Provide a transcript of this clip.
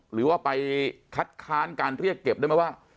หรือว่าไปคัดค้านการเรียกเก็บได้ไหมว่า